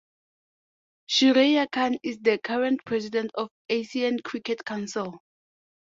Shehreyar Khan is the current president of Asian Cricket Council.